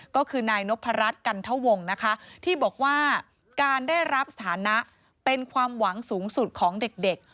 ก็คือนายนพรัชกันทวงนะคะที่บอกว่าการได้รับสถานะเป็นความหวังสูงสุดของเด็ก